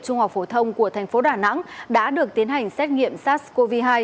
trung học phổ thông của thành phố đà nẵng đã được tiến hành xét nghiệm sars cov hai